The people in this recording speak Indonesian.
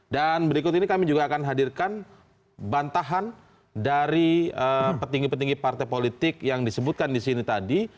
dan berikut ini kami juga akan hadirkan bantahan dari petinggi petinggi partai politik yang disebutkan di sini tadi